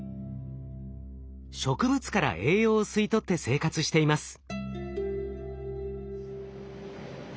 植物から栄養を吸い取って生活しています。